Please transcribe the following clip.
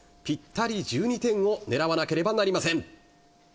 ぴったり１２点を狙わなければなりません。